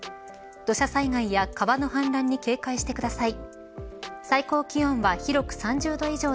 土砂災害や川の氾濫に警戒してください。